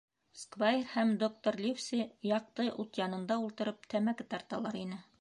Сквайр һәм доктор Ливси яҡты ут янында ултырып тәмәке тарталар ине.